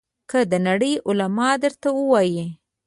که د نړۍ علما درته وایي.